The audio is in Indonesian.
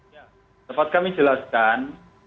ya sempat kami jelaskan